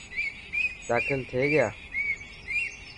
داخل ٿي گيا.